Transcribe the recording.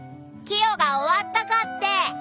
キヨが終わったかって。